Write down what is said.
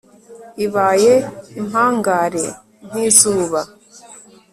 ibaye impangare nk'izuba